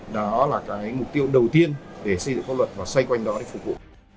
đó là cái mục tiêu đầu tiên để xây dựng pháp luật và xoay quanh đó để phục vụ